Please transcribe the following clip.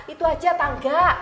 itu aja tangga